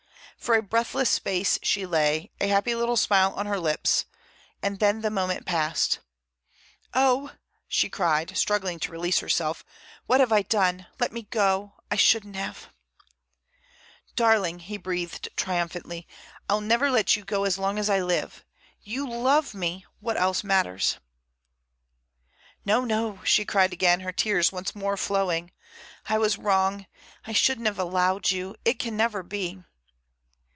For a breathless space she lay, a happy little smile on her lips, and then the moment passed. "Oh!" she cried, struggling to release herself, "what have I done? Let me go! I shouldn't have—" "Darling," he breathed triumphantly. "I'll never let you go as long as I live! You love me! What else matters?" "No, no," she cried again, her tears once more flowing. "I was wrong. I shouldn't have allowed you. It can never be."